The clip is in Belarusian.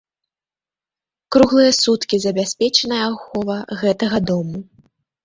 Круглыя суткі забяспечаная ахова гэтага дома.